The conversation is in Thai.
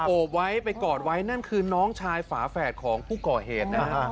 โอบไว้ไปกอดไว้นั่นคือน้องชายฝาแฝดของผู้ก่อเหตุนะฮะ